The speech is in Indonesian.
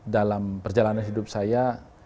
dalam perjalanan hidup saya